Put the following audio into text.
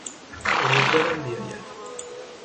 امیدوارم بیاید.